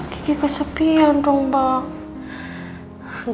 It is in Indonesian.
kiki kesepian dong mbak